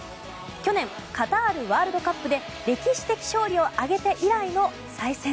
去年、カタールワールドカップで歴史的勝利を挙げて以来の再戦。